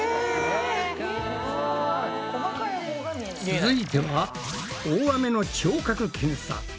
続いては大雨の聴覚検査。